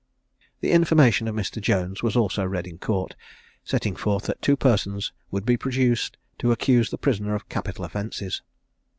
The information of Mr. Jones was also read in court, setting forth that two persons would be produced to accuse the prisoner of capital offences.